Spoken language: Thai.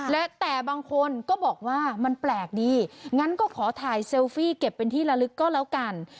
และแต่บางคนก็บอกว่ามันแปลกดีงั้นก็ขอถ่ายเซลฟี่เก็บเป็นที่ละลึกก็แล้วกัน